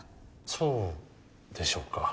そうでしょうか？